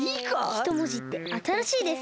ひともじってあたらしいです！